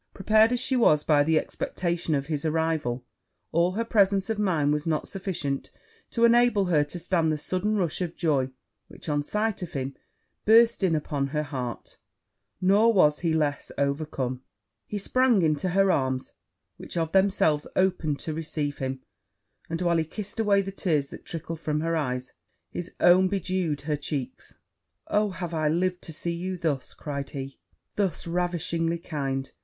Prepared as she was by the expectation of his arrival, all her presence of mind was not sufficient to enable her to stand the sudden rush of joy which on sight of him bursted in upon her heart: nor was he less overcome he sprang into her arms, which of themselves opened to receive him; and, while he kissed away the tears that trickled from her eyes, his own bedewed her cheeks. 'Oh, have I lived to see you thus!' cried he, 'thus ravishingly kind!'